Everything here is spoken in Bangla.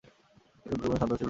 এই দম্পতির কোনো সন্তান ছিল না।